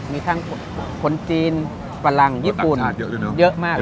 มีทั้งคนจีนภารังญี่ปุ่นเยอะมากเลยครับครับลูกอะ